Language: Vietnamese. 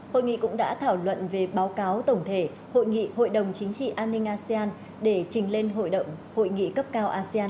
hội nghị cũng đã thảo luận về báo cáo tổng thể hội nghị hội đồng chính trị an ninh asean để trình lên hội nghị cấp cao asean